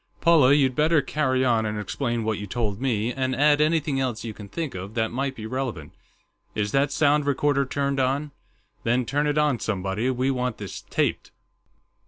"Paula, you'd better carry on and explain what you told me, and add anything else you can think of that might be relevant.... Is that sound recorder turned on? Then turn it on, somebody; we want this taped."